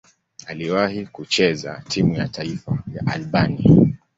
Aliwahi kucheza timu ya taifa ya Albania.